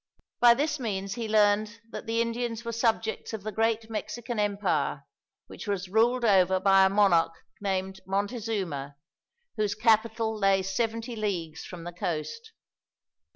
By this means he learned that the Indians were subjects of the great Mexican Empire, which was ruled over by a monarch named Montezuma, whose capital lay seventy leagues from the coast.